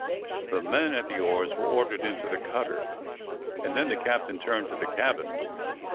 The men at the oars were ordered into the cutter, and then the captain turned to the cabin.